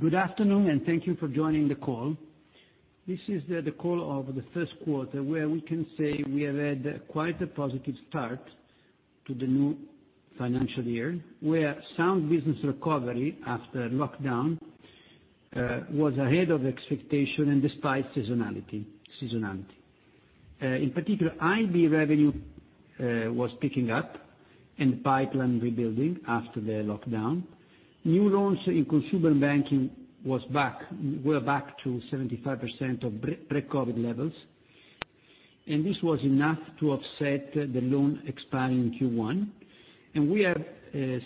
Good afternoon, and thank you for joining the call. This is the call of the first quarter, where we can say we have had quite a positive start to the new financial year, where sound business recovery after lockdown was ahead of expectation despite seasonality. In particular, IB revenue was picking up and pipeline rebuilding after the lockdown. New loans in consumer banking were back to 75% of pre-COVID levels, this was enough to offset the loan expiry in Q1. We are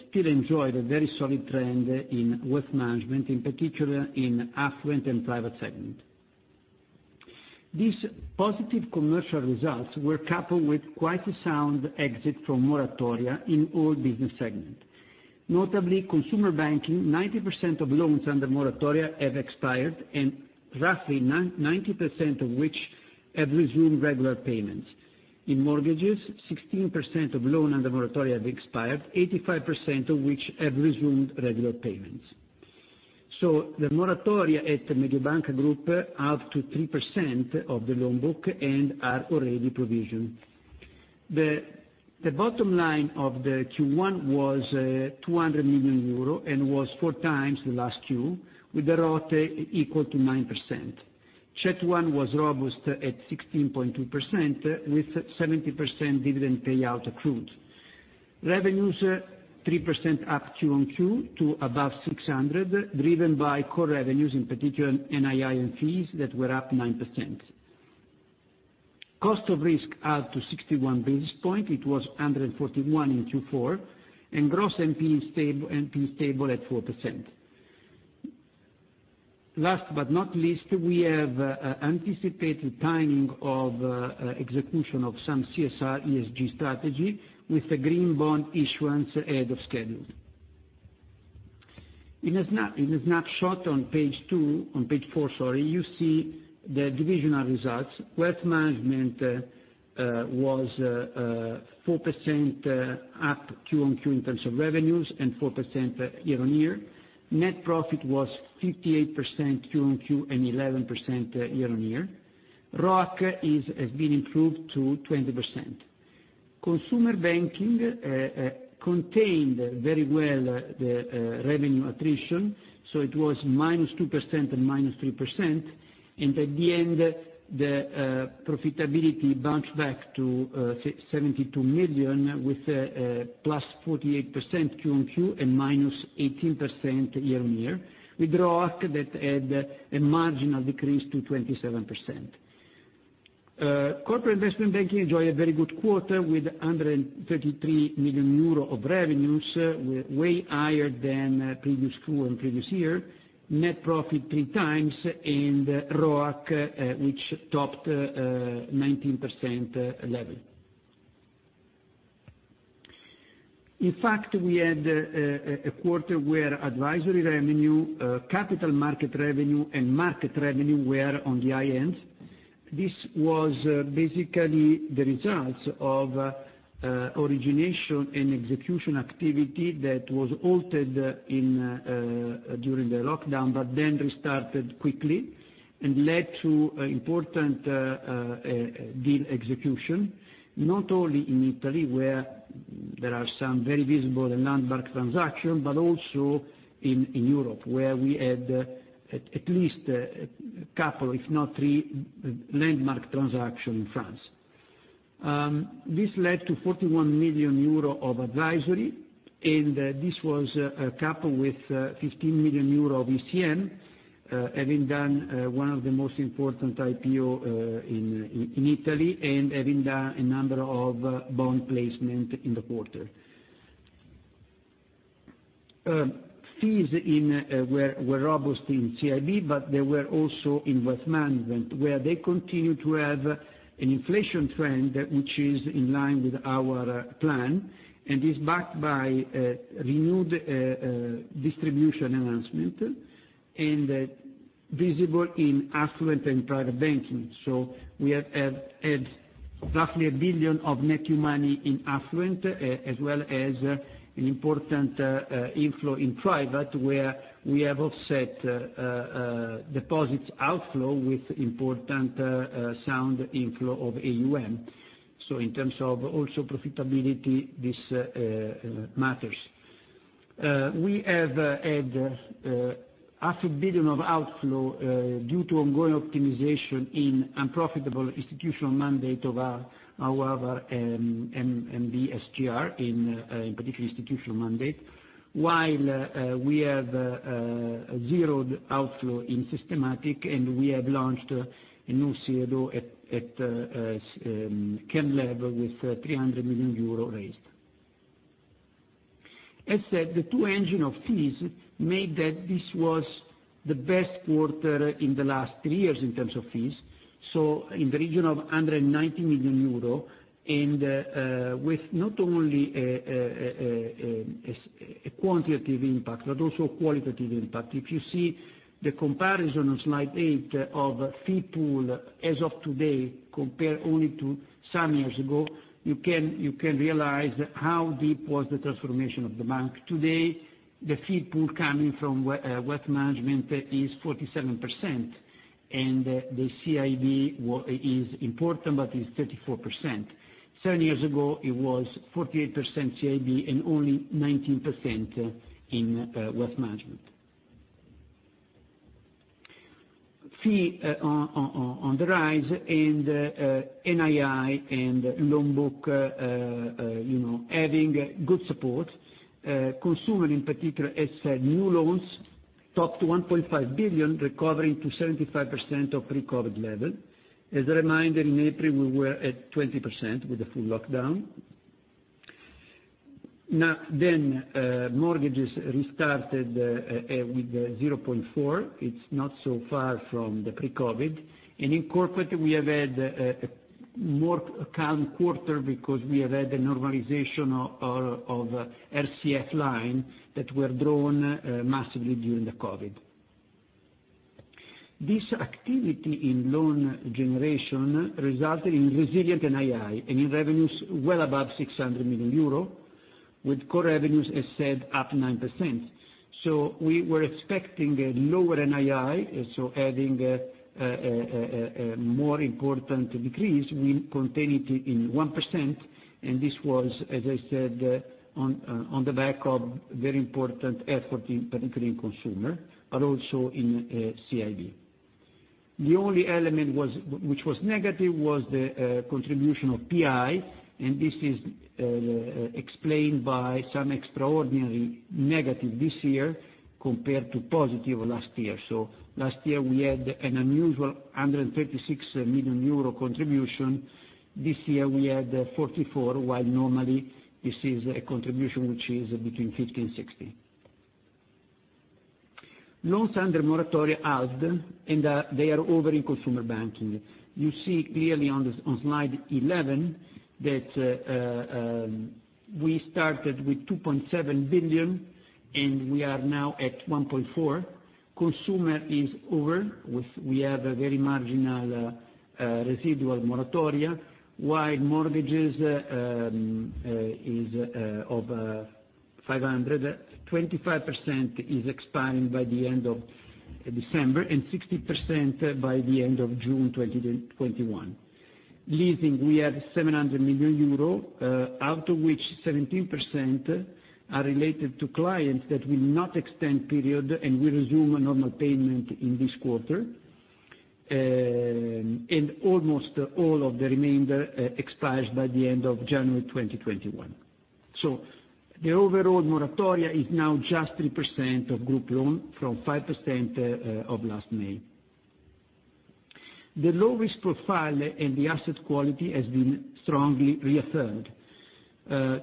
still enjoying a very solid trend in wealth management, in particular in affluent and private segment. These positive commercial results were coupled with quite a sound exit from moratoria in all business segments. Notably consumer banking, 90% of loans under moratoria have expired, roughly 90% of which have resumed regular payments. In mortgages, 16% of loans under moratoria have expired, 85% of which have resumed regular payments. The moratoria at Mediobanca Group are up to 3% of the loan book and are already provisioned. The bottom line of the Q1 was 200 million euro, was four times the last Q, with the RoTE equal to 9%. CET1 was robust at 16.2%, with 17% dividend payout accrued. Revenues are 3% up Q-on-Q to above 600, driven by core revenues, in particular NII and fees that were up 9%. Cost of risk are to 61 basis points. It was 141 in Q4, gross NP is stable at 4%. Last but not least, we have anticipated timing of execution of some CSR ESG strategy with the Green Bond issuance ahead of schedule. In the snapshot on page four, you see the divisional results. Wealth management was 4% up Q-on-Q in terms of revenues 4% year-on-year. Net profit was 58% Q-on-Q 11% year-on-year. ROIC has been improved to 20%. Consumer banking contained very well the revenue attrition, it was -2% and -3%, at the end, the profitability bounced back to 72 million, with +48% Q-on-Q -18% year-on-year, with ROIC that had a marginal decrease to 27%. Corporate Investment Banking enjoyed a very good quarter with 133 million euro of revenues, way higher than previous quarter and previous year. Net profit three times, ROIC which topped 19% level. In fact, we had a quarter where advisory revenue, capital market revenue, and market revenue were on the high end. This was basically the results of origination and execution activity that was halted during the lockdown, then restarted quickly and led to important deal execution, not only in Italy, where there are some very visible landmark transactions, also in Europe, where we had at least a couple, if not three landmark transactions in France. This led to 41 million euro of advisory, this was coupled with 15 million euro of ECM, having done one of the most important IPO in Italy having done a number of bond placement in the quarter. Fees were robust in CIB, they were also in wealth management, where they continue to have an inflation trend, which is in line with our plan is backed by a renewed distribution announcement and visible in affluent and private banking. We have had roughly 1 billion of net new money in affluent, as well as an important inflow in private, where we have offset deposits outflow with important sound inflow of AUM. In terms of also profitability, this matters. We have had half a billion EUR of outflow due to ongoing optimization in unprofitable institutional mandate of our Mediobanca SGR, in particular institutional mandate. While we have zeroed outflow in systematic, and we have launched a new CLO at Cairn Capital level with 300 million euro raised. As said, the two engine of fees made that this was the best quarter in the last three years in terms of fees. In the region of 190 million euro, and with not only a quantitative impact, but also a qualitative impact. If you see the comparison on slide eight of fee pool as of today, compared only to some years ago, you can realize how deep was the transformation of the bank. Today, the fee pool coming from wealth management is 47%. The CIB is important, but is 34%. Seven years ago, it was 48% CIB. Only 19% in wealth management. Fee on the rise. NII and loan book having good support. Consumer in particular, as said, new loans topped to 1.5 billion, recovering to 75% of pre-COVID level. As a reminder, in April we were at 20% with the full lockdown. Mortgages restarted with 0.4 billion. It's not so far from the pre-COVID. In corporate, we have had a more calm quarter because we have had a normalization of RCF line that were drawn massively during the COVID. This activity in loan generation resulted in resilient NII. In revenues well above 600 million euro, with core revenues, as said, up 9%. We were expecting a lower NII, having a more important decrease, we contained it in 1%. This was, as I said, on the back of very important effort, particularly in consumer, but also in CIB. The only element which was negative was the contribution of PI, and this is explained by some extraordinary negative this year compared to positive last year. Last year we had an unusual 136 million euro contribution. This year we had 44 million, while normally this is a contribution which is between 50 million and 60 million. Loans under moratoria helped. They are over in consumer banking. You see clearly on Slide 11 that we started with 2.7 billion, and we are now at 1.4 billion. Consumer is over. We have a very marginal residual moratoria, while mortgages is over 500 million. 25% is expiring by the end of December. 60% by the end of June 2021. Leasing, we had 700 million euro, out of which 17% are related to clients that will not extend period. Will resume a normal payment in this quarter. Almost all of the remainder expires by the end of January 2021. The overall moratoria is now just 3% of group loan from 5% of last May. The low-risk profile and the asset quality has been strongly reaffirmed.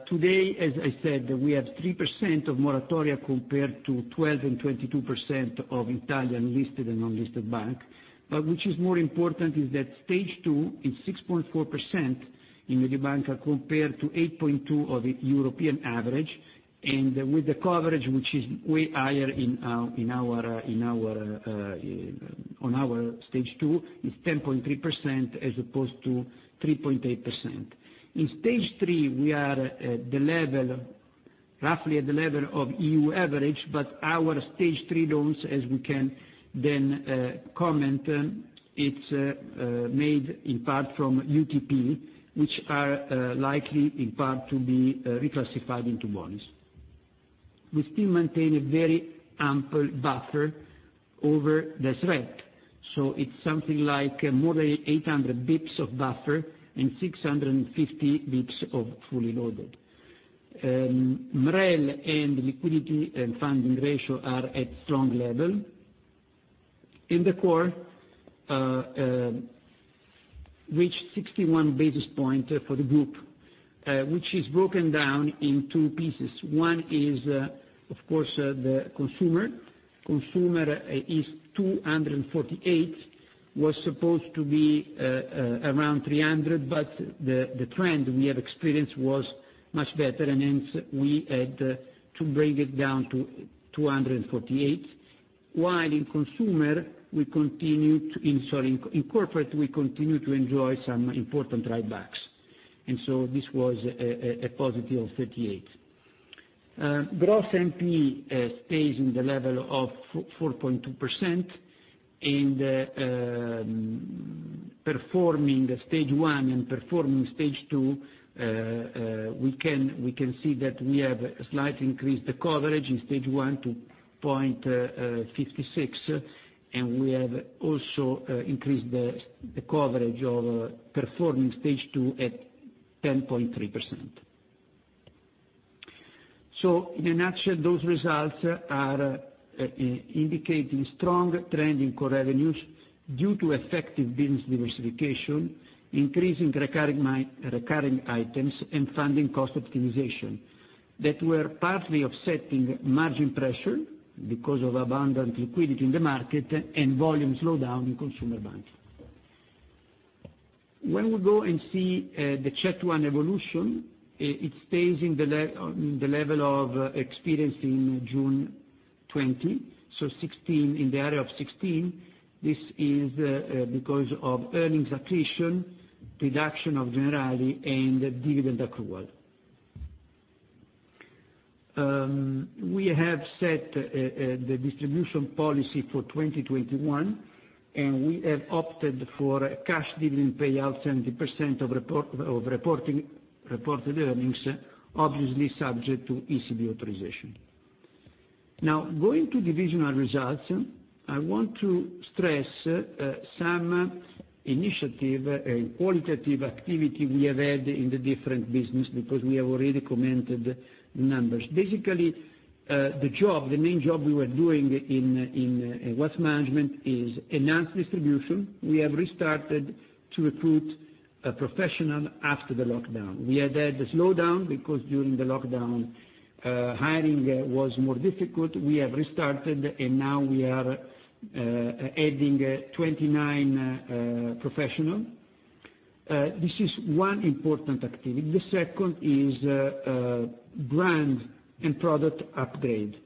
Today, as I said, we have 3% of moratoria compared to 12% and 22% of Italian listed and unlisted bank. Which is more important is that Stage 2 is 6.4% in Mediobanca compared to 8.2% of the European average, and with the coverage, which is way higher on our Stage 2, is 10.3% as opposed to 3.8%. In Stage 3, we are roughly at the level of EU average, but our Stage 3 loans, as we can then comment, it's made in part from UTP, which are likely in part to be reclassified into bonis. We still maintain a very ample buffer over the threat, so it's something like more than 800 basis points of buffer and 650 basis points of fully loaded. MREL and liquidity and funding ratio are at strong level. In the core, reached 61 basis points for the group, which is broken down in two pieces. One is, of course, the consumer. Consumer is 248 basis points, was supposed to be around 300 basis points, the trend we have experienced was much better, hence we had to bring it down to 248 basis points. In corporate, we continue to enjoy some important write-backs. This was a positive 38 basis points. Gross NPE stays in the level of 4.2%, performing Stage 1 and performing Stage 2, we can see that we have a slight increase, the coverage in Stage 1 to 0.56%, and we have also increased the coverage of performing Stage 2 at 10.3%. In a nutshell, those results are indicating strong trend in core revenues due to effective business diversification, increasing recurring items, and funding cost optimization that were partly offsetting margin pressure because of abundant liquidity in the market and volume slowdown in consumer banks. When we go and see the CET1 evolution, it stays in the level of experience in June 2020. In the area of 16%, this is because of earnings accretion, reduction of Generali, and dividend accrued. We have set the distribution policy for 2021, and we have opted for cash dividend payout, 70% of reported earnings, obviously subject to ECB authorization. Going to divisional results, I want to stress some initiative and qualitative activity we have had in the different business, because we have already commented the numbers. Basically, the main job we were doing in wealth management is enhanced distribution. We have restarted to recruit a professional after the lockdown. We had had the slowdown because during the lockdown, hiring was more difficult. We have restarted, and now we are adding 29 professional. This is one important activity. The second is brand and product upgrade.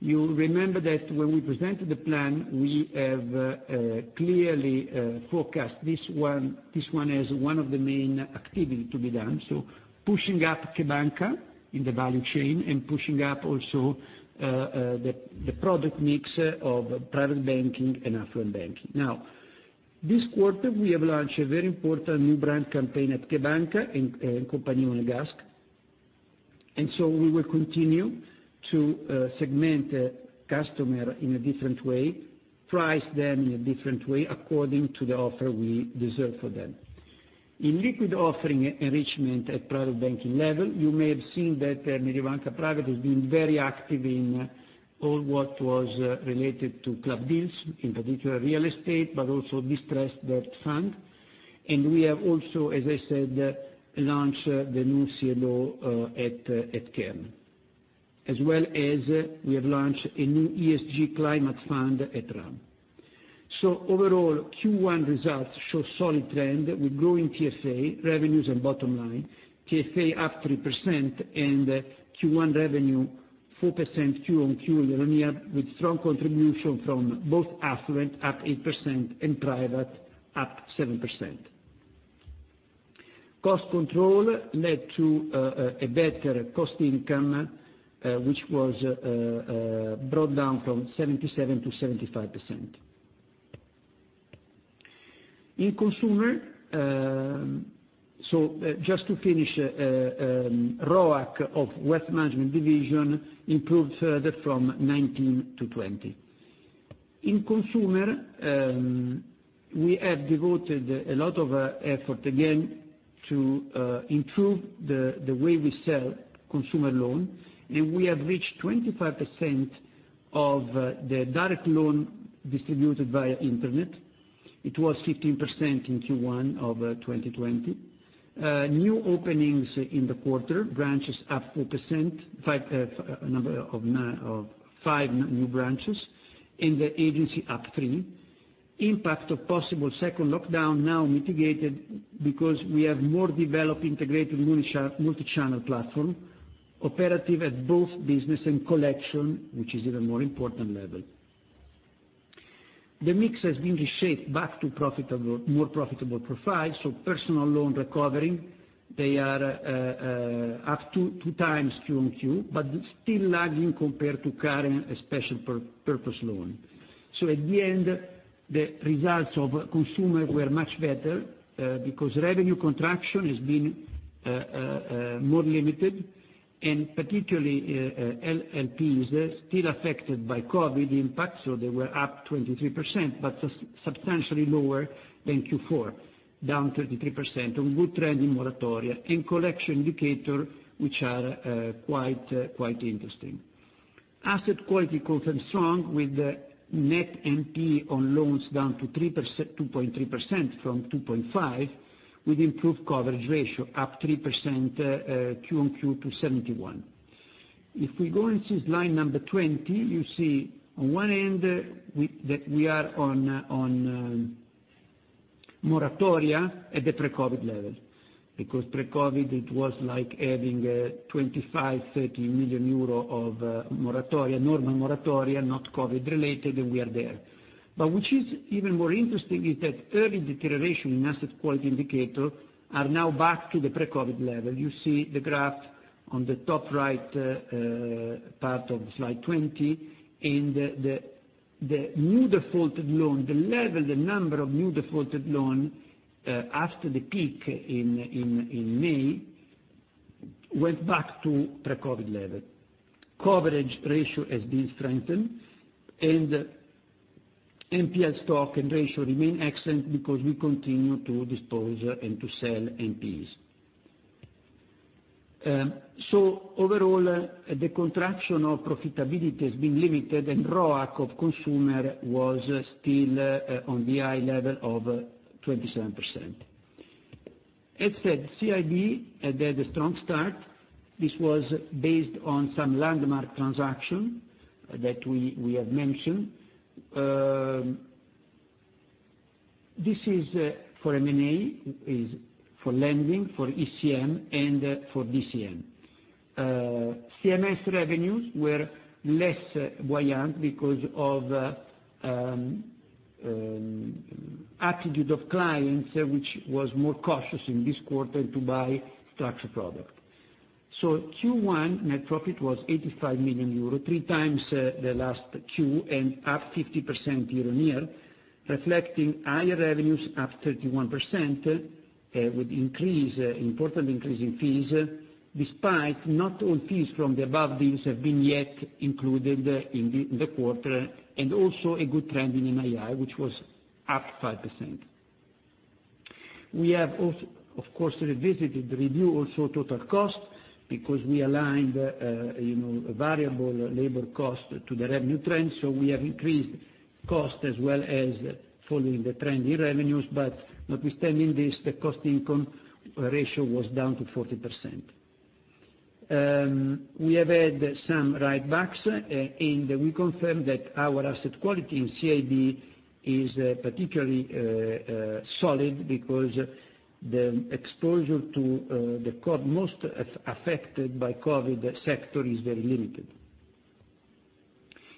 You remember that when we presented the plan, we have clearly forecast this one as one of the main activity to be done. Pushing up CheBanca! in the value chain, and pushing up also the product mix of private banking and affluent banking. This quarter we have launched a very important new brand campaign at CheBanca! in [Compagnia delle Gasche]. We will continue to segment customer in a different way, price them in a different way according to the offer we deserve for them. In liquid offering enrichment at Private Banking level, you may have seen that Mediobanca Private has been very active in all what was related to club deals, in particular real estate, but also distressed debt fund. We have also, as I said, launched the new CLO at CheBanca!. As well as we have launched a new ESG climate fund at RAM. Overall, Q1 results show solid trend with growing TFA revenues and bottom line. TFA up 3% and Q1 revenue 4% quarter-on-quarter year-on-year, with strong contribution from both affluent up 8% and private up 7%. Cost control led to a better cost income, which was brought down from 77% to 75%. Just to finish, ROAC of wealth management division improved further from 19 to 20. In consumer, we have devoted a lot of effort again to improve the way we sell consumer loan, and we have reached 25% of the direct loan distributed via internet. It was 15% in Q1 of 2020. New openings in the quarter, branches up 4%, a number of 5 new branches, and the agency up 3. Impact of possible second lockdown now mitigated because we have more developed integrated multi-channel platform, operative at both business and collection, which is even more important level. The mix has been reshaped back to more profitable profile, personal loan recovering. They are up 2 times quarter-on-quarter, but still lagging compared to current special purpose loan. At the end, the results of consumer were much better, because revenue contraction has been more limited, and particularly LPs still affected by COVID impact, they were up 23%, but substantially lower than Q4, down 33%. A good trend in moratoria and collection indicator, which are quite interesting. Asset quality remains strong with net NP on loans down to 2.3% from 2.5%, with improved coverage ratio up 3% quarter-on-quarter to 71%. If we go into slide number 20, you see on one end that we are on moratoria at the pre-COVID level. Pre-COVID, it was like having 25 million-30 million euro of moratoria, normal moratoria, not COVID related, and we are there. What is even more interesting is that early deterioration in asset quality indicator are now back to the pre-COVID level. You see the graph on the top right part of slide 20, the new defaulted loan, the level, the number of new defaulted loan after the peak in May went back to pre-COVID level. Coverage ratio has been strengthened, NPL stock and ratio remain excellent because we continue to dispose and to sell NPLs. Overall, the contraction of profitability has been limited and ROAC of consumer was still on the high level of 27%. As said, CIB had a strong start. This was based on some landmark transaction that we have mentioned. This is for M&A, for lending, for ECM, and for DCM. CMS revenues were less buoyant because of attitude of clients, which was more cautious in this quarter to buy structure product. Q1 net profit was 85 million euro, 3 times the last Q, and up 50% year-on-year, reflecting higher revenues up 31% with important increase in fees, despite not all fees from the above deals have been yet included in the quarter, and also a good trend in NII, which was up 5%. We have, of course, revisited review also total cost, because we aligned variable labor cost to the revenue trend. We have increased cost as well as following the trend in revenues. Notwithstanding this, the cost income ratio was down to 40%. We have had some write-backs. We confirm that our asset quality in CIB is particularly solid because the exposure to the most affected by COVID sector is very limited.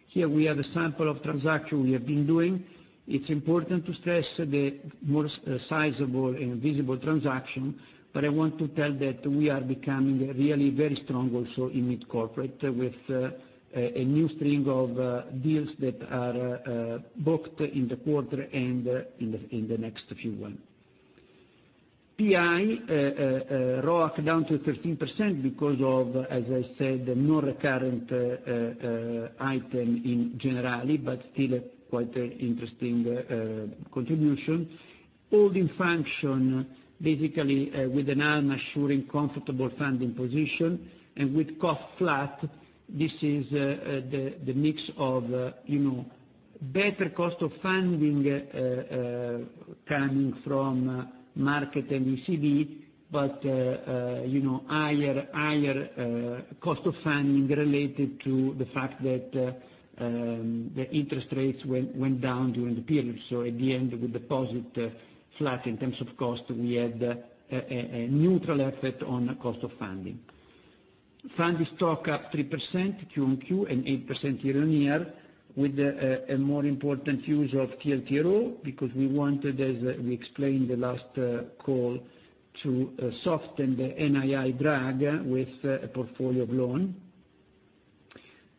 Here we have a sample of transaction we have been doing. It is important to stress the more sizable and visible transaction. I want to tell that we are becoming really very strong also in mid-corporate, with a new string of deals that are booked in the quarter and in the next few one. PI ROAC down to 13% because of, as I said, non-recurrent item in Generali, still quite interesting contribution. All-in function, basically, with a reassuring comfortable funding position and with cost flat. This is the mix of better cost of funding coming from market and ECB. Higher cost of funding related to the fact that the interest rates went down during the period. At the end, with deposit flat in terms of cost, we had a neutral effect on cost of funding. Funding stock up 3% quarter-on-quarter and 8% year-on-year, with a more important use of TLTRO because we wanted, as we explained the last call, to soften the NII drag with a portfolio of loan.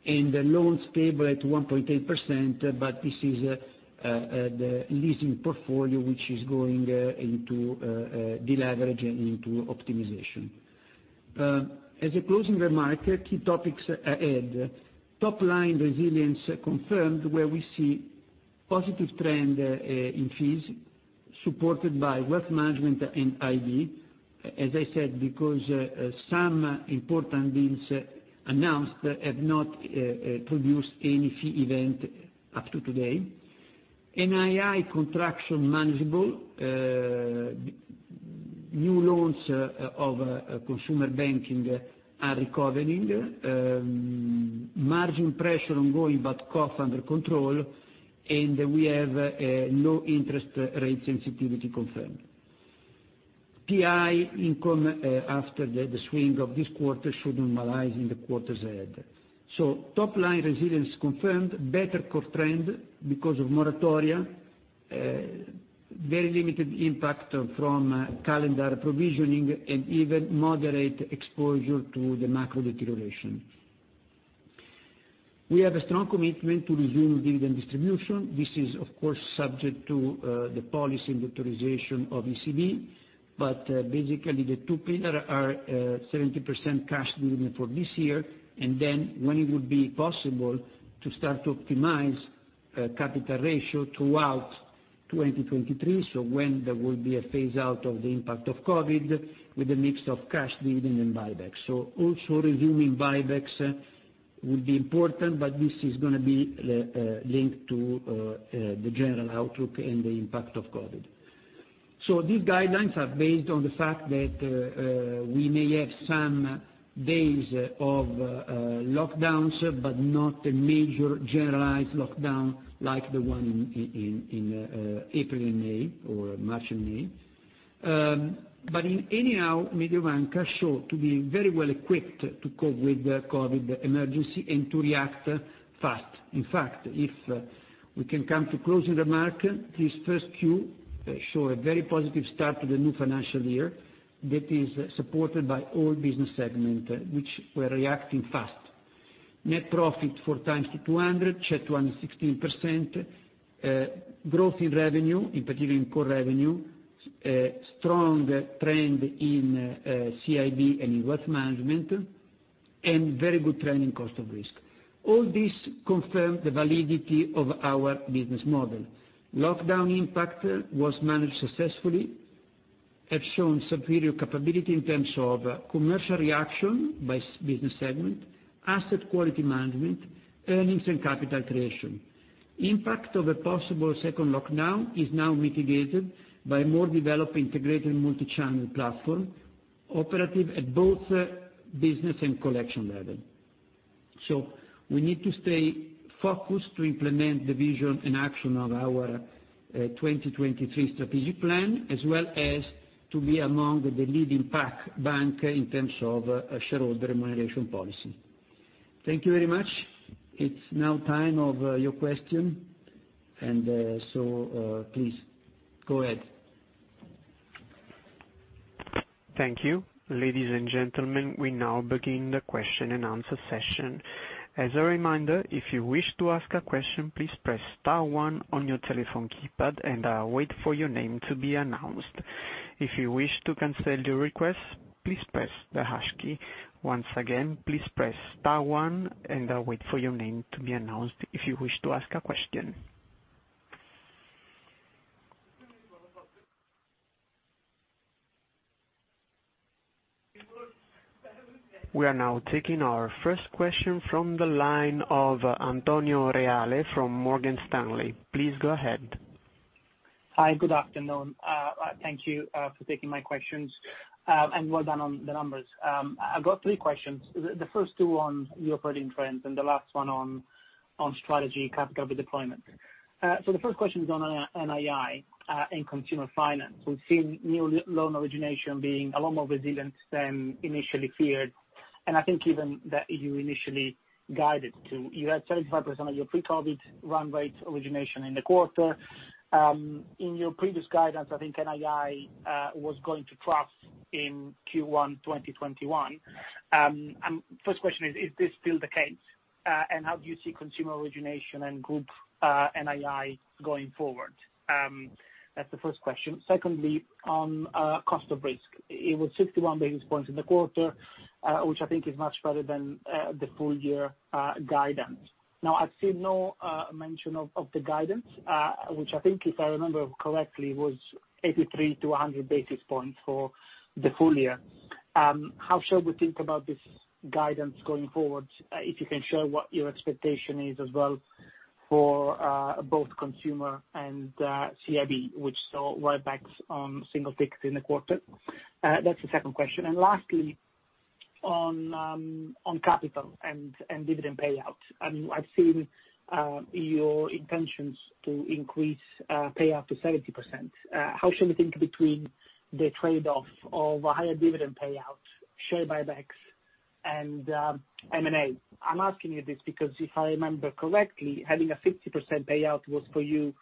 Loans stable at 1.8%, this is the leasing portfolio, which is going into de-leverage and into optimization. As a closing remark, key topics ahead. Top line resilience confirmed where we see positive trend in fees supported by wealth management and IB, as I said, because some important deals announced have not produced any fee event up to today. NII contraction manageable. New loans of consumer banking are recovering. Margin pressure ongoing, cost under control, we have a low interest rate sensitivity confirmed. PI income after the swing of this quarter should normalize in the quarters ahead. Top line resilience confirmed, better cost trend because of moratoria, very limited impact from calendar provisioning, even moderate exposure to the macro deterioration. We have a strong commitment to resume dividend distribution. This is, of course, subject to the policy and authorization of ECB. Basically, the two pillar are 70% cash dividend for this year, then when it would be possible to start to optimize capital ratio throughout 2023. When there will be a phase out of the impact of COVID with a mix of cash dividend and buybacks. Also resuming buybacks will be important, this is going to be linked to the general outlook and the impact of COVID. These guidelines are based on the fact that we may have some days of lockdowns, not a major generalized lockdown like the one in April and May, or March and May. In any how, Mediobanca show to be very well equipped to cope with the COVID emergency and to react fast. In fact, if we can come to closing remark, this first quarter show a very positive start to the new financial year that is supported by all business segment, which were reacting fast. Net profit 4 times to 200 million, CET1 16%, growth in revenue, in particular in core revenue, strong trend in CIB and in wealth management, very good trend in cost of risk. All this confirm the validity of our business model. Lockdown impact was managed successfully, have shown superior capability in terms of commercial reaction by business segment, asset quality management, earnings and capital creation. Impact of a possible second lockdown is now mitigated by more developed integrated multi-channel platform operative at both business and collection level. We need to stay focused to implement the vision and action of our 2023 strategic plan, as well as to be among the leading pack bank in terms of shareholder remuneration policy. Thank you very much. It's now time of your question. Please go ahead. Thank you. Ladies and gentlemen, we now begin the question and answer session. As a reminder, if you wish to ask a question, please press star one on your telephone keypad, and wait for your name to be announced. If you wish to cancel your request, please press the hash key. Once again, please press star one, and wait for your name to be announced if you wish to ask a question. We are now taking our first question from the line of Antonio Reale from Morgan Stanley. Please go ahead. Hi, good afternoon. Thank you for taking my questions. Well done on the numbers. I've got three questions. The first two on your operating trends and the last one on strategy capital deployment. The first question is on NII, and consumer finance. We've seen new loan origination being a lot more resilient than initially feared, and I think even that you initially guided to. You had 75% of your pre-COVID run rate origination in the quarter. In your previous guidance, I think NII was going to trough in Q1 2021. First question, is this still the case? How do you see consumer origination and group NII going forward? That's the first question. Secondly, on cost of risk. It was 61 basis points in the quarter, which I think is much better than the full-year guidance. Now, I see no mention of the guidance, which I think, if I remember correctly, was 83 to 100 basis points for the full year. How shall we think about this guidance going forward, if you can share what your expectation is as well for both consumer and CIB, which saw write-backs on single ticks in the quarter? That's the second question. Lastly, on capital and dividend payout. I've seen your intentions to increase payout to 70%. How should we think between the trade-off of a higher dividend payout, share buybacks, and M&A? I'm asking you this because if I remember correctly, having a 50% payout was for you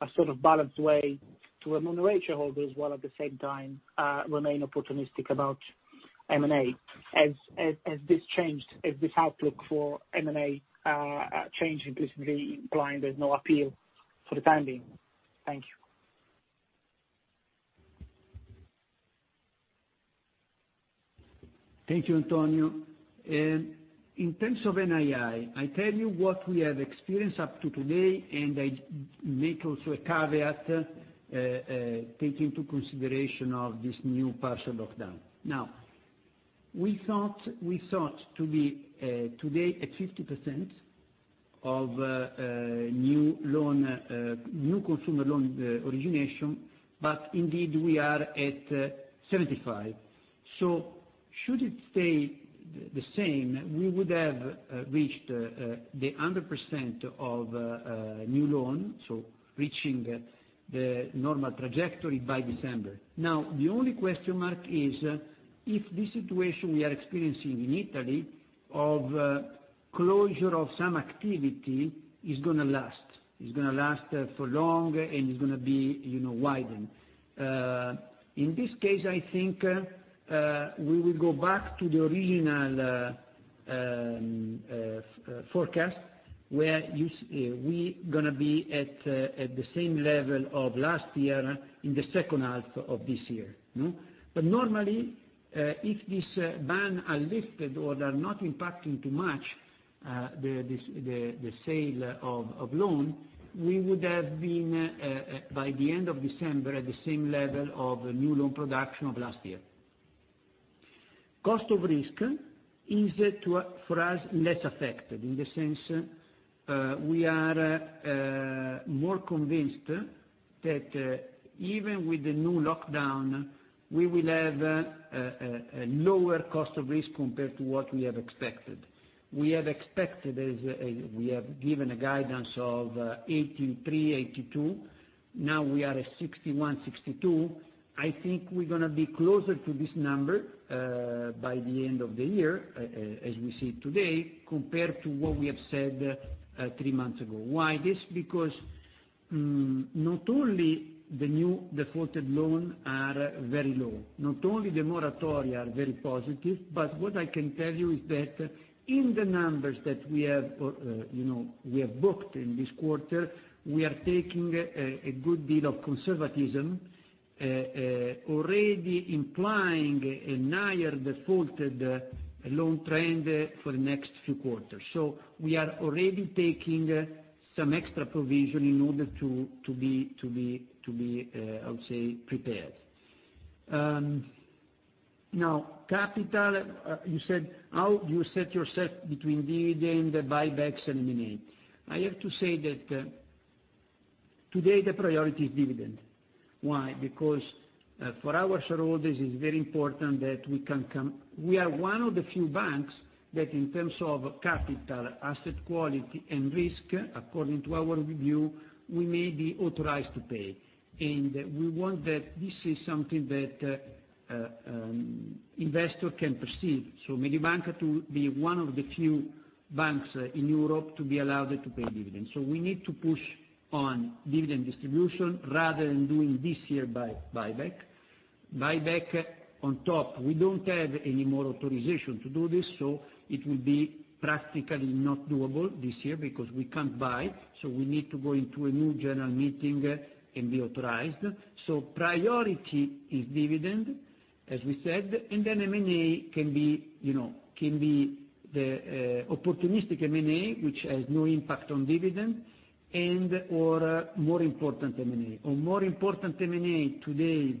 a sort of balanced way to remunerate shareholders while at the same time, remain opportunistic about M&A. Has this outlook for M&A changed, implicitly implying there's no appeal for the time being? Thank you. Thank you, Antonio. In terms of NII, I tell you what we have experienced up to today, and I make also a caveat, take into consideration of this new partial lockdown. We thought to be today at 50% of new consumer loan origination, but indeed we are at 75%. Should it stay the same, we would have reached the 100% of new loan, reaching the normal trajectory by December. The only question mark is if this situation we are experiencing in Italy of closure of some activity is going to last. It's going to last for long, and it's going to be widened. In this case, I think we will go back to the original forecast, where we going to be at the same level of last year in the second half of this year. Normally, if this ban are lifted or they are not impacting too much the sale of loan, we would have been by the end of December at the same level of new loan production of last year. Cost of risk is, for us, less affected, in the sense we are more convinced that even with the new lockdown, we will have a lower cost of risk compared to what we have expected. We have expected as we have given a guidance of 83, 82. We are at 61, 62. I think we're going to be closer to this number by the end of the year, as we see today, compared to what we have said three months ago. Why? This because not only the new defaulted loan are very low, not only the moratoria are very positive, but what I can tell you is that in the numbers that we have booked in this quarter, we are taking a good bit of conservatism, already implying a higher defaulted loan trend for the next few quarters. We are already taking some extra provision in order to be, I would say, prepared. Capital. You said how you set yourself between dividend, the buybacks, and M&A. I have to say that today, the priority is dividend. Why? Because for our shareholders, it is very important that We are one of the few banks that in terms of capital asset quality and risk, according to our review, we may be authorized to pay. We want that this is something that investor can perceive. Mediobanca to be one of the few banks in Europe to be allowed to pay dividends. We need to push on dividend distribution rather than doing this year buyback. Buyback on top, we don't have any more authorization to do this, so it will be practically not doable this year because we can't buy, so we need to go into a new general meeting and be authorized. Priority is dividend, as we said, and then M&A can be the opportunistic M&A, which has no impact on dividend and/or more important M&A. On more important M&A today,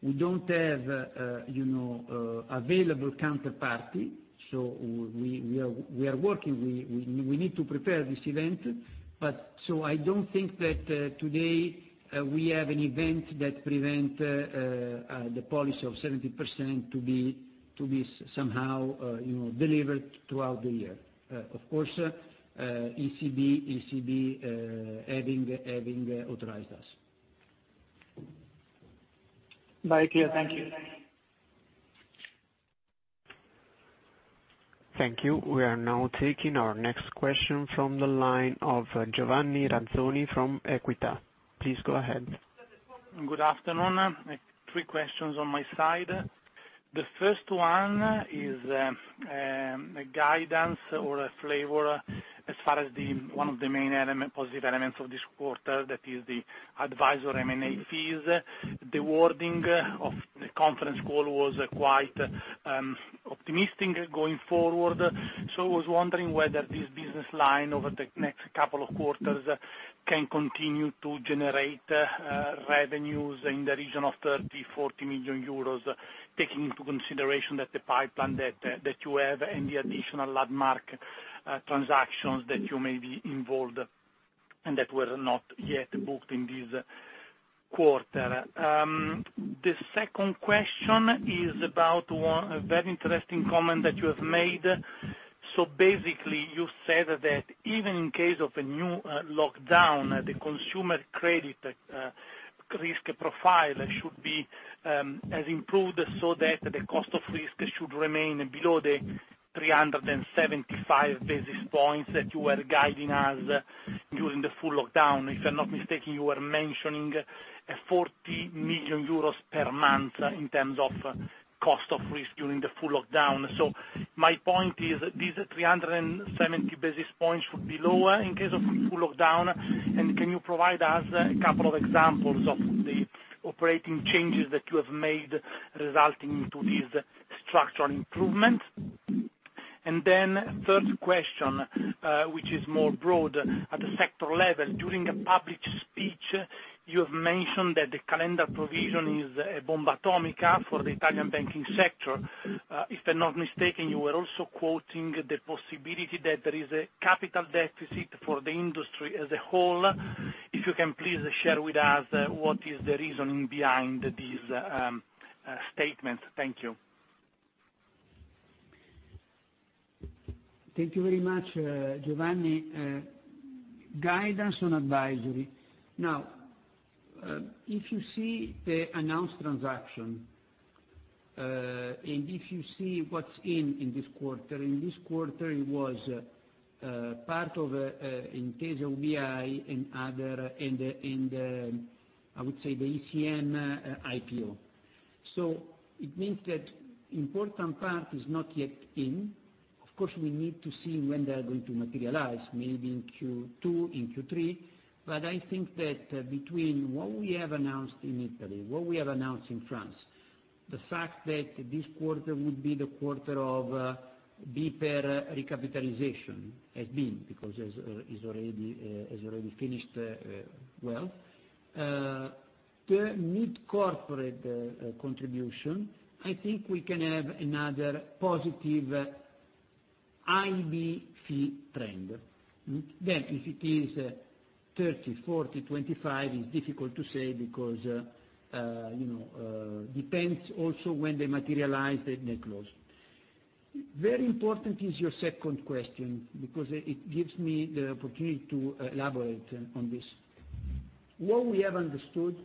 we don't have available counterparty, so we are working. We need to prepare this event. I don't think that today we have an event that prevent the policy of 70% to be somehow delivered throughout the year. Of course, ECB having authorized us. Very clear. Thank you. Thank you. We are now taking our next question from the line of Giovanni Razzoli from Equita. Please go ahead. Good afternoon. I have three questions on my side. The first one is, guidance or a flavor as far as one of the main positive elements of this quarter that is the advisory M&A fees. The wording of the conference call was quite optimistic going forward. I was wondering whether this business line over the next couple of quarters can continue to generate revenues in the region of 30 million-40 million euros, taking into consideration that the pipeline that you have and the additional landmark transactions that you may be involved and that were not yet booked in this quarter. The second question is about one very interesting comment that you have made. Basically you said that even in case of a new lockdown, the consumer credit risk profile has improved so that the cost of risk should remain below the 375 basis points that you were guiding us during the full lockdown. If I'm not mistaken, you were mentioning a 40 million euros per month in terms of cost of risk during the full lockdown. My point is this 370 basis points should be lower in case of full lockdown. Can you provide us a couple of examples of the operating changes that you have made resulting to this structural improvement? Third question, which is more broad. At the sector level, during a public speech, you have mentioned that the calendar provision is a bomba atomica for the Italian banking sector. If I'm not mistaken, you were also quoting the possibility that there is a capital deficit for the industry as a whole. If you can please share with us what is the reasoning behind this statement. Thank you. Thank you very much, Giovanni. Guidance on advisory. If you see the announced transaction, and if you see what's in this quarter, in this quarter it was part of Intesa Sanpaolo and other, and I would say the ECM IPO. It means that important part is not yet in. Of course, we need to see when they're going to materialize, maybe in Q2, in Q3, but I think that between what we have announced in Italy, what we have announced in France, the fact that this quarter would be the quarter of BPER recapitalization has been, because has already finished well. The mid-corporate contribution, I think we can have another positive IB fee trend. If it is 30, 40, 25, it's difficult to say because depends also when they materialize, they close. Very important is your second question because it gives me the opportunity to elaborate on this. What we have understood,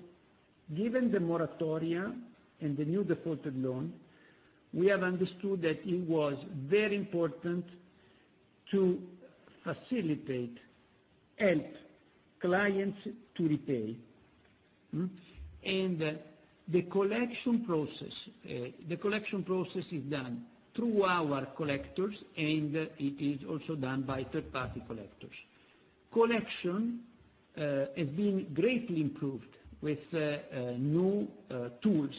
given the moratoria and the new defaulted loan, we have understood that it was very important to facilitate, help clients to repay. The collection process is done through our collectors, and it is also done by third party collectors. Collection has been greatly improved with new tools,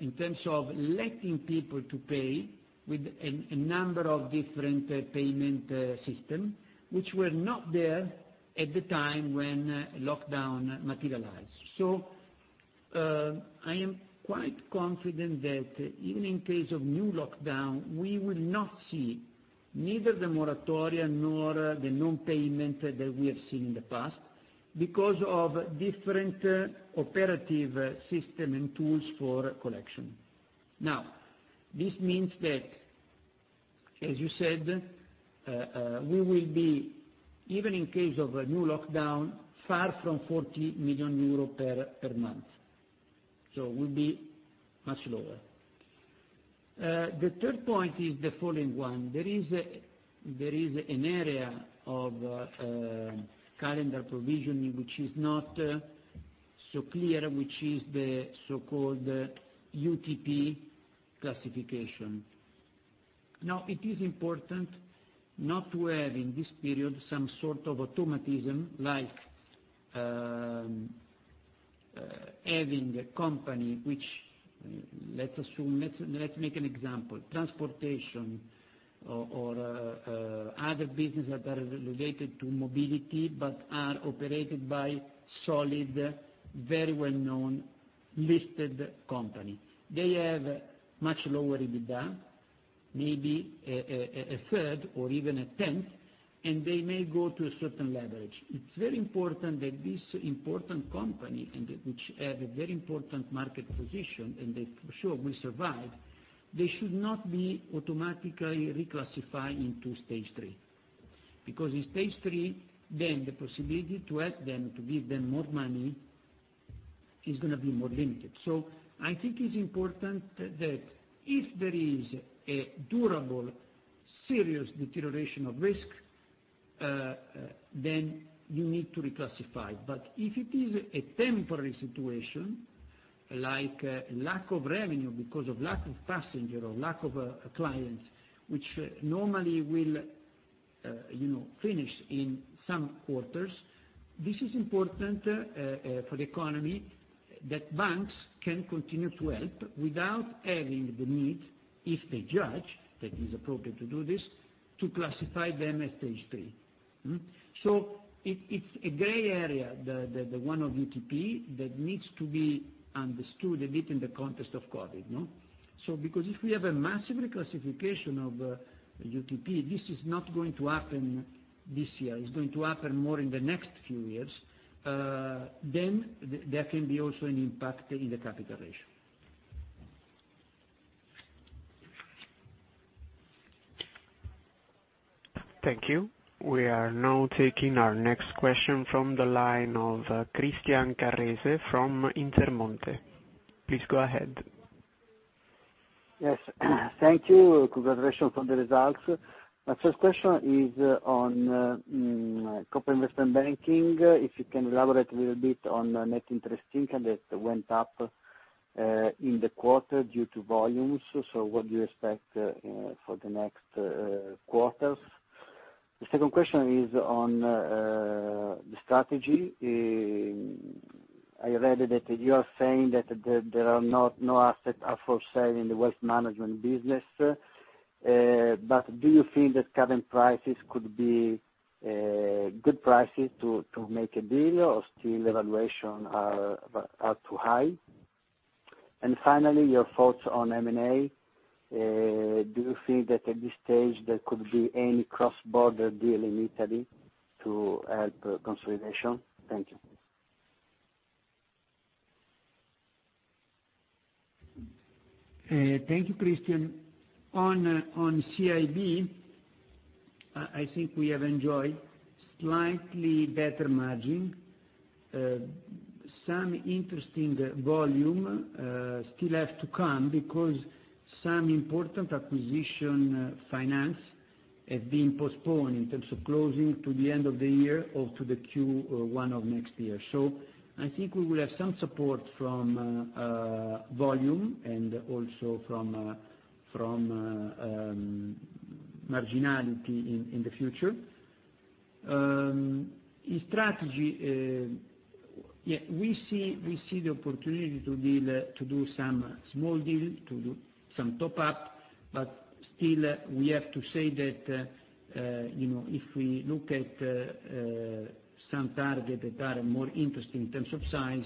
in terms of letting people to pay with a number of different payment system, which were not there at the time when lockdown materialized. I am quite confident that even in case of new lockdown, we will not see neither the moratoria nor the non-payment that we have seen in the past, because of different operative system and tools for collection. This means that, as you said, we will be, even in case of a new lockdown, far from 40 million euro per month. We'll be much lower. The third point is the following one. There is an area of calendar provisioning which is not so clear, which is the so-called UTP classification. It is important not to have, in this period, some sort of automatism like having a company which, let's make an example, transportation or other business that are related to mobility, but are operated by solid, very well-known, listed company. They have much lower EBITDA, maybe a third or even a tenth, and they may go to a certain leverage. It's very important that this important company, and which have a very important market position and they for sure will survive, they should not be automatically reclassified into Stage 3. Because in Stage 3, then the possibility to help them, to give them more money, is going to be more limited. I think it's important that if there is a durable, serious deterioration of risk, then you need to reclassify. But if it is a temporary situation, like lack of revenue because of lack of passenger or lack of clients, which normally will finish in some quarters, this is important for the economy, that banks can continue to help without having the need, if they judge that is appropriate to do this, to classify them as Stage 3. It's a gray area, the one of UTP, that needs to be understood a bit in the context of COVID. Because if we have a massive reclassification of UTP, this is not going to happen this year, it's going to happen more in the next few years, then there can be also an impact in the capital ratio. Thank you. We are now taking our next question from the line of Christian Carrese from Intermonte. Please go ahead. Yes. Thank you. Congratulations on the results. My first question is on corporate investment banking. If you can elaborate a little bit on net interest income that went up in the quarter due to volumes. What do you expect for the next quarters? Do you feel that current prices could be good prices to make a deal, or still valuation are too high? Finally, your thoughts on M&A. Do you feel that at this stage there could be any cross-border deal in Italy to help consolidation? Thank you. Thank you, Christian. On CIB, I think we have enjoyed slightly better margin. Some interesting volume still have to come because some important acquisition finance have been postponed in terms of closing to the end of the year or to the Q1 of next year. I think we will have some support from volume and also from marginality in the future. In strategy, we see the opportunity to do some small deals, to do some top-up, still we have to say that if we look at some target that are more interesting in terms of size,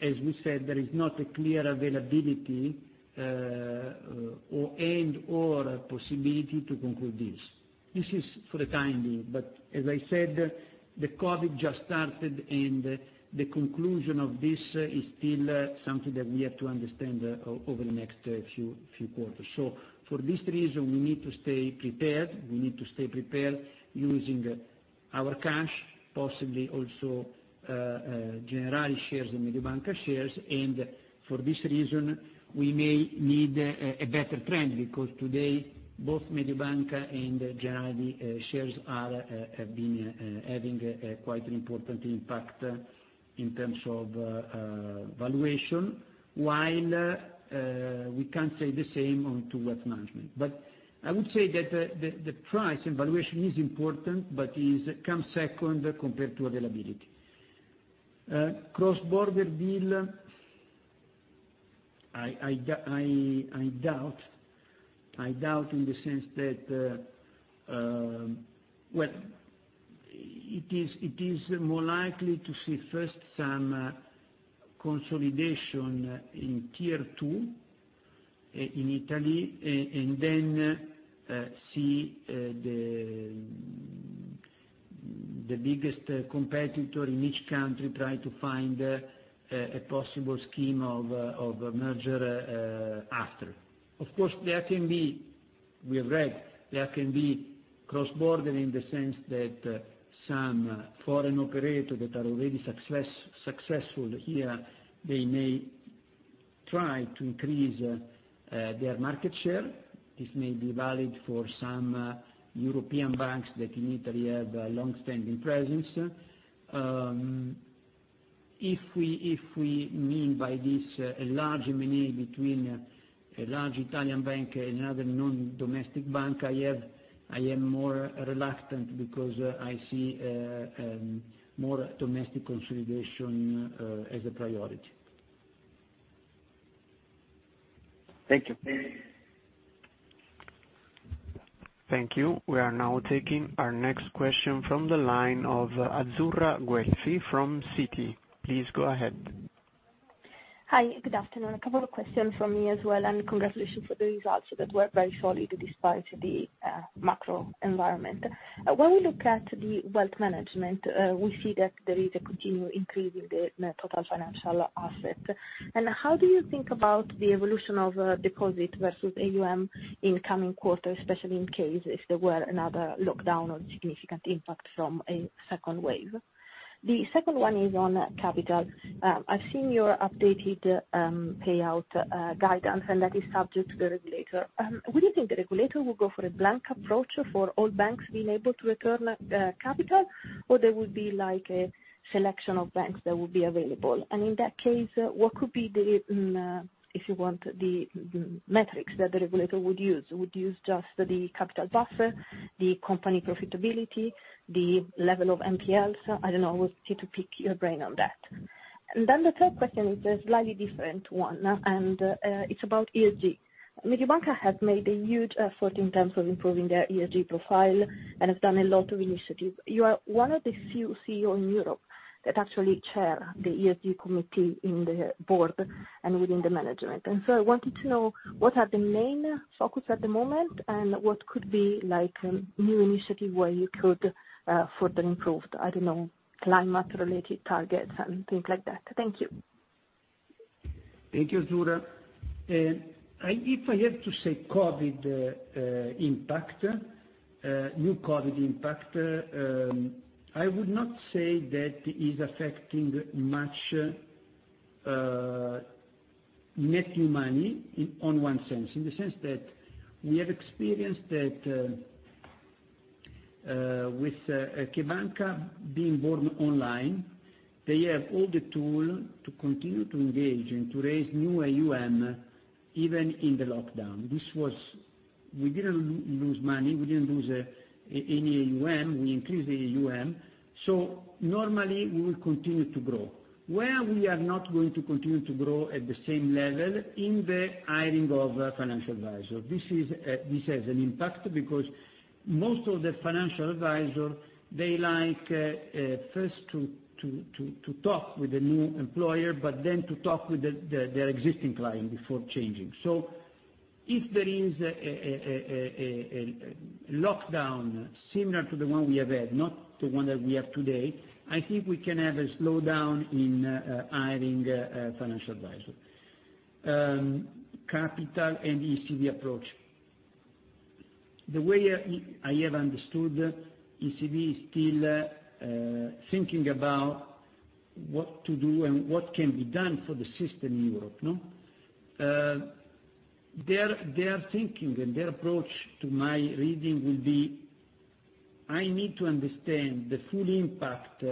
as we said, there is not a clear availability and/or possibility to conclude this. This is for the time being. As I said, the COVID just started, and the conclusion of this is still something that we have to understand over the next few quarters. For this reason, we need to stay prepared. We need to stay prepared using our cash, possibly also Generali shares and Mediobanca shares, for this reason, we may need a better trend. Today, both Mediobanca and Generali shares are having quite an important impact in terms of valuation, while we can't say the same on to wealth management. I would say that the price and valuation is important, but it comes second compared to availability. Cross-border deal I doubt. I doubt in the sense that it is more likely to see first some consolidation in tier 2 in Italy, then see the biggest competitor in each country try to find a possible scheme of a merger after. Of course, there can be, we have read, there can be cross-border in the sense that some foreign operator that are already successful here, they may try to increase their market share. This may be valid for some European banks that in Italy have longstanding presence. If we mean by this a large M&A between a large Italian bank and another non-domestic bank, I am more reluctant because I see more domestic consolidation as a priority. Thank you. Thank you. We are now taking our next question from the line of Azzurra Guelfi from Citi. Please go ahead. Hi. Good afternoon. A couple of questions from me as well. Congratulations for the results that were very solid despite the macro environment. When we look at the wealth management, we see that there is a continued increase in the Total Financial Asset. How do you think about the evolution of deposit versus AUM in coming quarters, especially in case if there were another lockdown or significant impact from a second wave? The second one is on capital. I've seen your updated payout guidance, and that is subject to the regulator. Would you think the regulator will go for a blank approach for all banks being able to return capital, or there will be a selection of banks that will be available? In that case, what could be the, if you want, the metrics that the regulator would use? Would use just the capital buffer, the company profitability, the level of NPLs? I don't know. I wanted to pick your brain on that. The third question is a slightly different one, and it's about ESG. Mediobanca has made a huge effort in terms of improving their ESG profile and has done a lot of initiatives. You are one of the few CEO in Europe that actually chair the ESG committee in the board and within the management. I wanted to know what are the main focus at the moment, and what could be new initiative where you could further improve, I don't know, climate-related targets and things like that. Thank you. Thank you, Azzurra. If I have to say new COVID impact, I would not say that is affecting much net new money in one sense. In the sense that we have experienced that with CheBanca being born online, they have all the tool to continue to engage and to raise new AUM, even in the lockdown. We didn't lose money. We didn't lose any AUM. We increased the AUM. Normally we will continue to grow. Where we are not going to continue to grow at the same level, in the hiring of financial advisor. This has an impact because most of the financial advisor, they like first to talk with the new employer, but then to talk with their existing client before changing. If there is a lockdown similar to the one we have had, not the one that we have today, I think we can have a slowdown in hiring financial advisor. Capital and ECB approach. The way I have understood, ECB is still thinking about what to do and what can be done for the system in Europe. Their thinking and their approach to my reading will be, I need to understand the full impact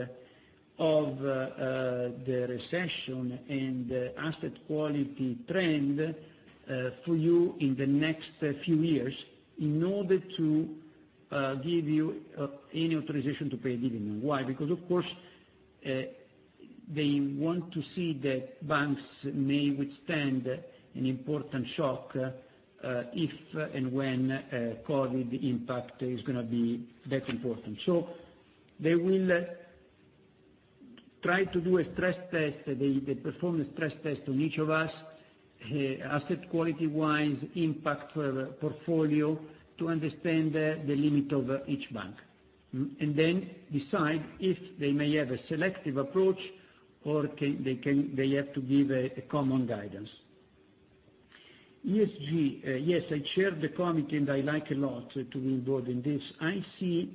of the recession and the asset quality trend for you in the next few years in order to give you any authorization to pay dividend. Why? Because, of course, they want to see that banks may withstand an important shock, if and when COVID impact is going to be that important. They will try to do a stress test. They perform a stress test on each of us, asset quality-wise, impact for portfolio, to understand the limit of each bank, and then decide if they may have a selective approach, or they have to give a common guidance. ESG. Yes, I chair the committee, and I like a lot to be involved in this. I see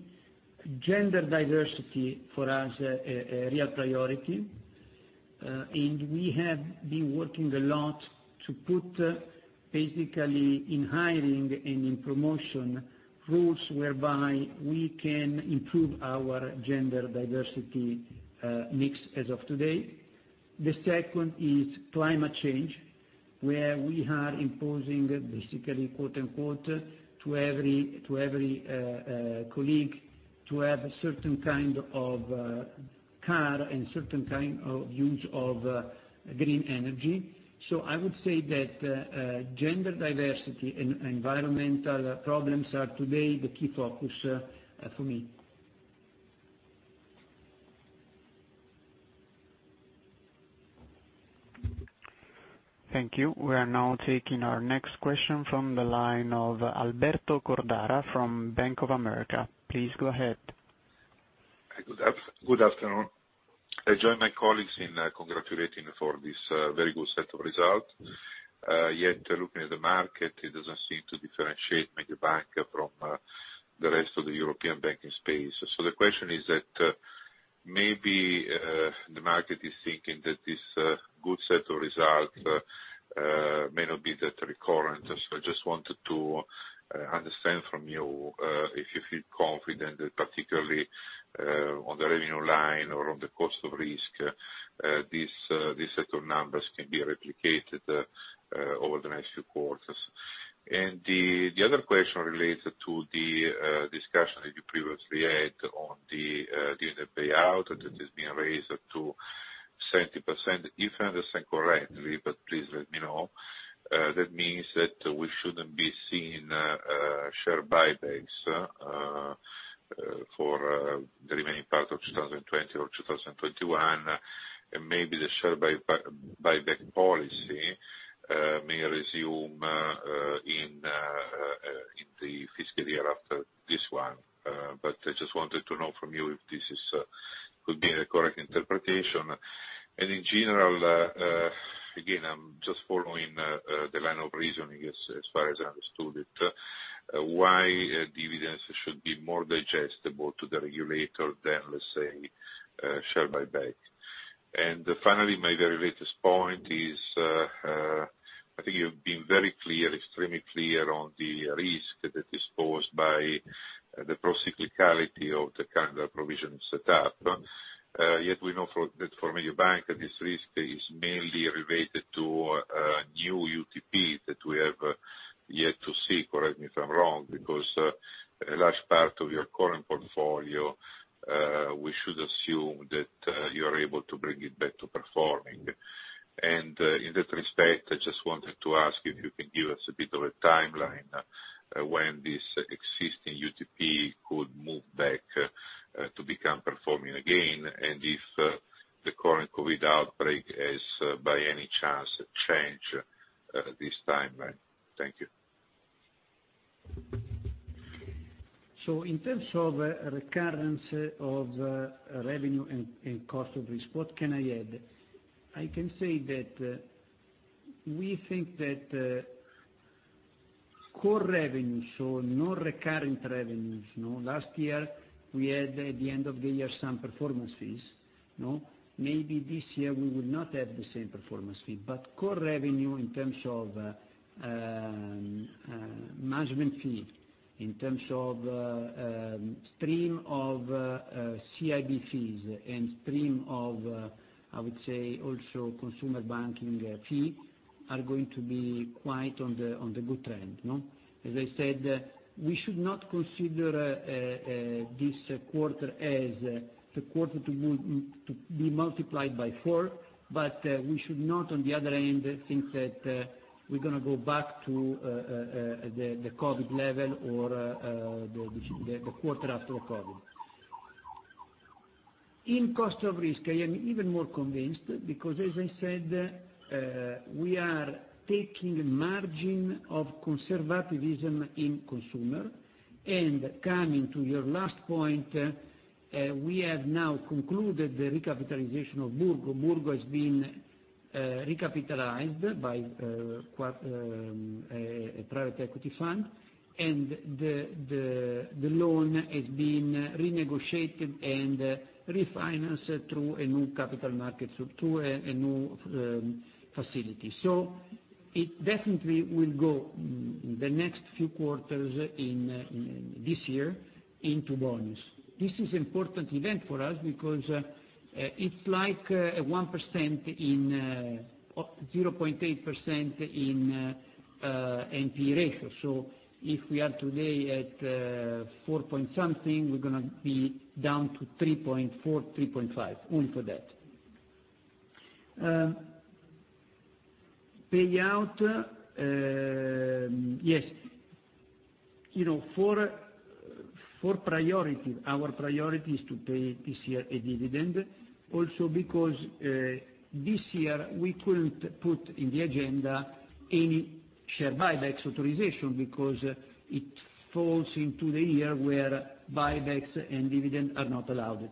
gender diversity for us a real priority, and we have been working a lot to put basically in hiring and in promotion rules whereby we can improve our gender diversity mix as of today. The second is climate change, where we are imposing basically, quote unquote, to every colleague to have a certain kind of car and certain kind of use of green energy. I would say that gender diversity and environmental problems are today the key focus for me. Thank you. We are now taking our next question from the line of Alberto Cordara from Bank of America. Please go ahead. Hi, good afternoon. I join my colleagues in congratulating for this very good set of results. Yet looking at the market, it doesn't seem to differentiate Mediobanca from the rest of the European banking space. The question is that, maybe the market is thinking that this good set of results may not be that recurrent. I just wanted to understand from you if you feel confident that particularly on the revenue line or on the cost of risk, this set of numbers can be replicated over the next few quarters. The other question related to the discussion that you previously had on the dividend payout that is being raised to 70%, if I understand correctly, but please let me know, that means that we shouldn't be seeing share buybacks for the remaining part of 2020 or 2021, and maybe the share buyback policy may resume in the fiscal year after this one. I just wanted to know from you if this could be a correct interpretation. In general, again, I'm just following the line of reasoning as far as I understood it, why dividends should be more digestible to the regulator than, let's say, share buyback. Finally, my very latest point is, I think you've been very clear, extremely clear on the risk that is posed by the pro-cyclicality of the calendar provision set up. We know that for Mediobanca, this risk is mainly related to new UTPs that we have yet to see, correct me if I'm wrong, because a large part of your current portfolio, we should assume that you are able to bring it back to performing. In that respect, I just wanted to ask if you can give us a bit of a timeline when this existing UTP could move back to become performing again, and if the current COVID outbreak has by any chance changed this timeline. Thank you. In terms of recurrence of revenue and cost of risk, what can I add? I can say that we think that core revenue, so no recurrent revenues. Last year, we had at the end of the year some performance fees. Maybe this year we would not have the same performance fee, but core revenue in terms of management fee, in terms of stream of CIB fees, and stream of, I would say, also consumer banking fees, are going to be quite on the good trend. As I said, we should not consider this quarter as the quarter to be multiplied by four, but we should not, on the other hand, think that we're going to go back to the COVID level or the quarter after COVID. In cost of risk, I am even more convinced because as I said, we are taking margin of conservativism in consumer. Coming to your last point, we have now concluded the recapitalization of Burgo. Burgo has been recapitalized by a private equity fund, and the loan has been renegotiated and refinanced through a new capital market, through a new facility. It definitely will go the next few quarters in this year into bonis. This is important event for us because it's like 0.8% in NPE ratio. If we are today at four point something, we're going to be down to 3.4, 3.5 only for that. Payout, yes. Our priority is to pay this year a dividend, also because this year we couldn't put in the agenda any share buybacks authorization because it falls into the year where buybacks and dividend are not allowed.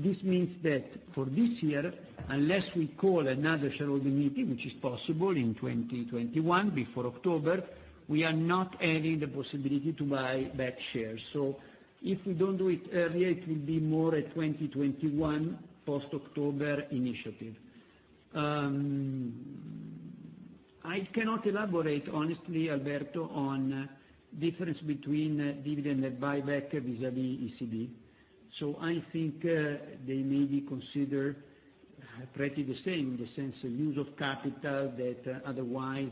This means that for this year, unless we call another shareholder meeting, which is possible in 2021, before October, we are not adding the possibility to buy back shares. If we don't do it earlier, it will be more a 2021 post-October initiative. I cannot elaborate honestly, Alberto, on difference between dividend and buyback vis-à-vis ECB. I think they may be considered pretty the same in the sense of use of capital that otherwise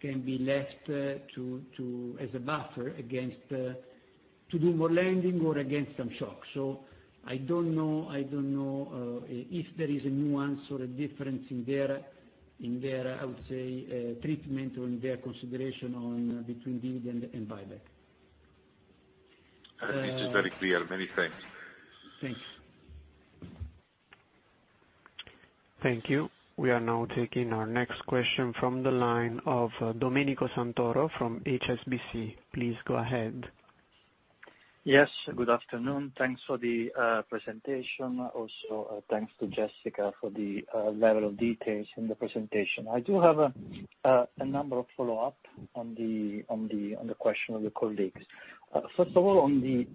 can be left as a buffer to do more lending or against some shocks. I don't know if there is a nuance or a difference in their, I would say, treatment or in their consideration between dividend and buyback. It is very clear. Many thanks. Thanks. Thank you. We are now taking our next question from the line of Domenico Santoro from HSBC. Please go ahead. Yes, good afternoon. Thanks for the presentation. Thanks to Jessica for the level of details in the presentation. I do have a number of follow-up on the question of the colleagues. First of all, on the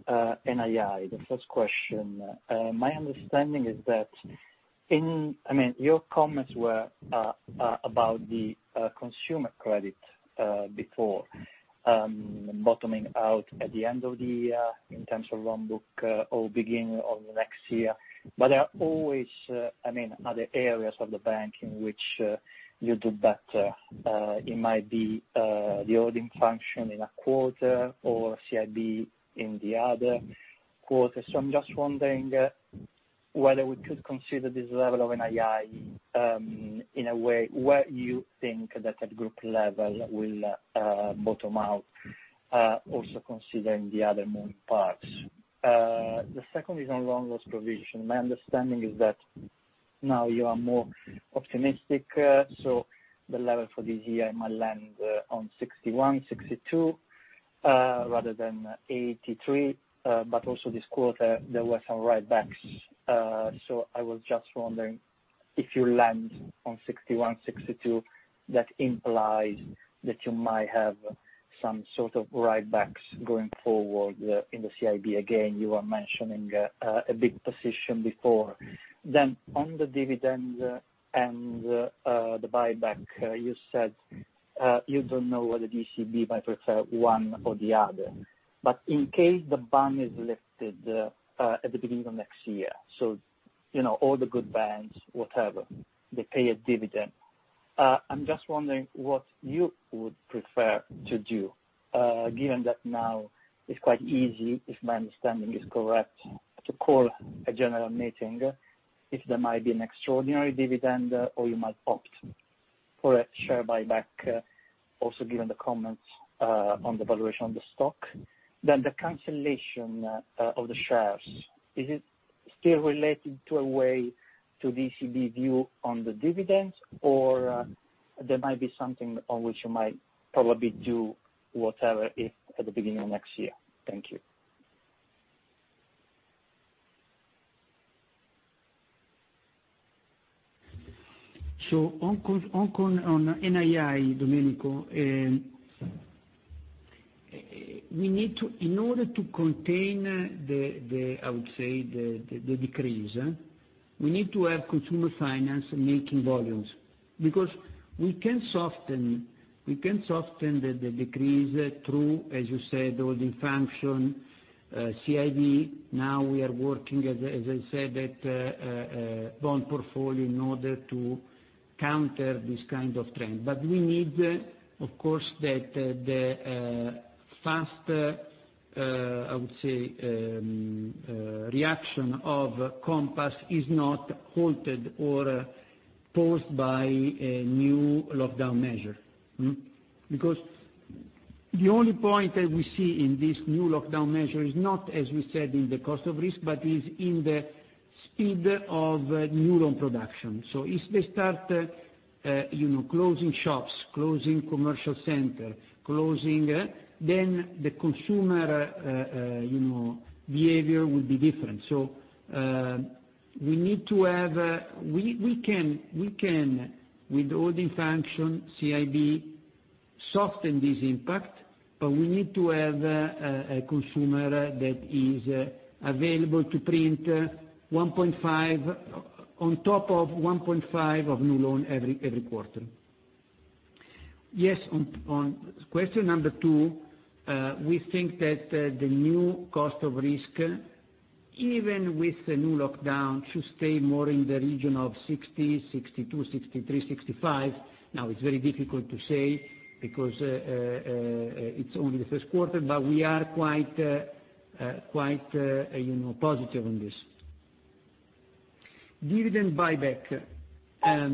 NII, the first question. My understanding is that your comments were about the consumer credit before bottoming out at the end of the year in terms of loan book or beginning of next year, but there are always other areas of the bank in which you do better. It might be the holding function in a quarter or CIB in the other quarter. I'm just wondering whether we could consider this level of NII, in a way, where you think that at group level will bottom out, also considering the other moving parts. The second is on loan loss provision. My understanding is that now you are more optimistic, the level for this year might land on 61, 62, rather than 83. Also this quarter there were some write-backs. I was just wondering if you land on 61, 62, that implies that you might have some sort of write-backs going forward in the CIB. Again, you were mentioning a big position before. On the dividend and the buyback, you said, you don't know whether ECB might prefer one or the other. In case the ban is lifted at the beginning of next year, all the good banks, whatever, they pay a dividend. I'm just wondering what you would prefer to do, given that now it's quite easy, if my understanding is correct, to call a general meeting if there might be an extraordinary dividend, or you might opt for a share buyback, also given the comments on the valuation of the stock. The cancellation of the shares. Is it still related to a way to ECB view on the dividends, or there might be something on which you might probably do whatever at the beginning of next year? Thank you. On NII, Domenico, in order to contain the, I would say, the decrease, we need to have consumer finance making volumes. We can soften the decrease through, as you said, holding function, CIB. Now we are working, as I said, that bond portfolio in order to counter this kind of trend. We need, of course, that the fast, I would say, reaction of Compass is not halted or paused by a new lockdown measure. The only point that we see in this new lockdown measure is not, as we said, in the cost of risk, but is in the speed of new loan production. If they start closing shops, closing commercial center, then the consumer behavior will be different. We can, with holding function, CIB, soften this impact, but we need to have a consumer that is available to print on top of 1.5 of new loan every quarter. Yes, on question number 2, we think that the new cost of risk, even with the new lockdown, should stay more in the region of 60, 62, 63, 65. Now it's very difficult to say because it's only the first quarter, but we are quite positive on this. Dividend buyback. As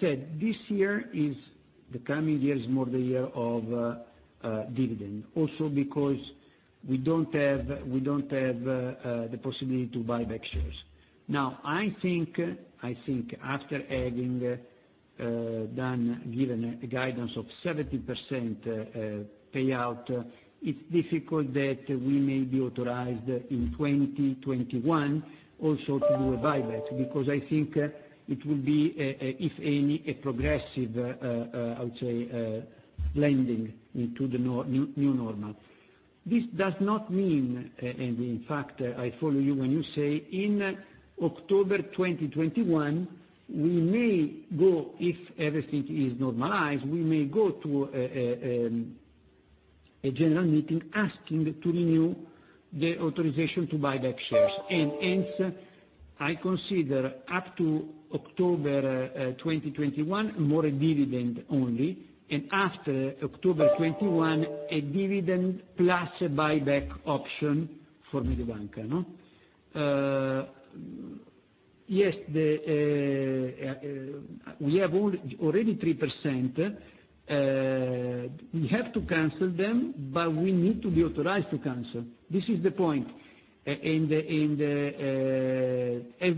said, the coming year is more the year of dividend. Also because we don't have the possibility to buy back shares. Now, I think after adding, then given a guidance of 70% payout, it's difficult that we may be authorized in 2021 also to do a buyback, because I think it will be, if any, a progressive, I would say, blending into the new normal. This does not mean, in fact, I follow you when you say in October 2021, if everything is normalized, we may go to a general meeting asking to renew the authorization to buy back shares. Hence, I consider up to October 2021, more a dividend only, and after October 2021, a dividend plus a buyback option for Mediobanca? Yes, we have already 3%. We have to cancel them, but we need to be authorized to cancel. This is the point. If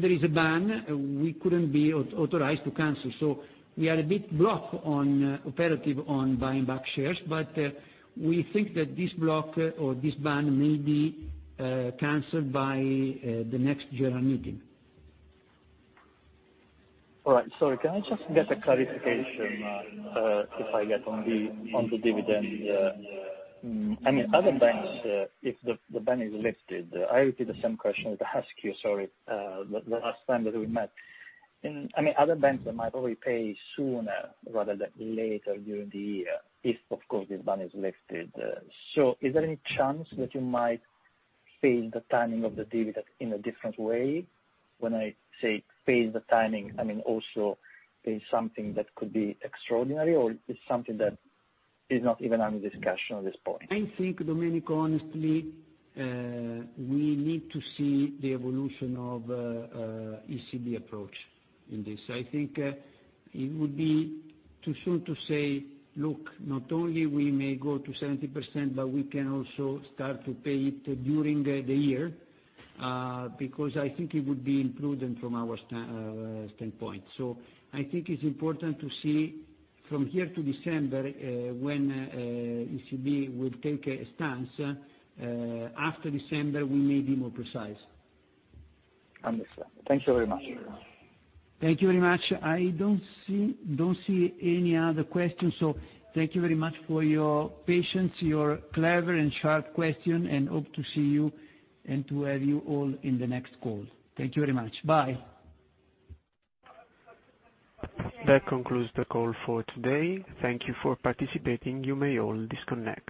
there is a ban, we couldn't be authorized to cancel. We are a bit blocked on operative on buying back shares, but we think that this block or this ban may be canceled by the next general meeting. All right. Sorry, can I just get a clarification, if I get on the dividend. Other banks, if the ban is lifted, I repeat the same question that I asked you, sorry, the last time that we met. Other banks might probably pay sooner rather than later during the year, if of course, this ban is lifted. Is there any chance that you might phase the timing of the dividend in a different way? When I say phase the timing, I mean also pay something that could be extraordinary, or it's something that is not even under discussion at this point? I think, Domenico, honestly, we need to see the evolution of ECB approach in this. I think it would be too soon to say, look, not only we may go to 70%, but we can also start to pay it during the year, because I think it would be imprudent from our standpoint. I think it's important to see from here to December, when ECB will take a stance. After December, we may be more precise. Understand. Thank you very much. Thank you very much. I don't see any other questions. Thank you very much for your patience, your clever and sharp question, and hope to see you and to have you all in the next call. Thank you very much. Bye. That concludes the call for today. Thank you for participating. You may all disconnect.